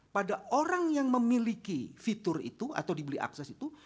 pada orang yang memiliki fitur itu atau dibeli akses itu